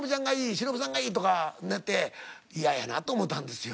「しのぶさんがいい」とかなって嫌やなと思ったんですよ。